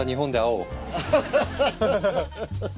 アハハハ。